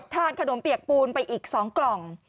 ขนมเปียกปูนไปอีก๒กล่อง